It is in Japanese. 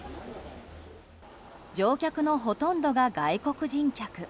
乗客のほとんどが外国人客。